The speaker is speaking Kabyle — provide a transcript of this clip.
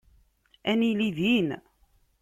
Ad nili din.